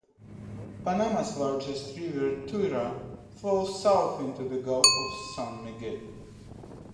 Panama's largest river, Tuira, flows south into the Gulf of San Miguel.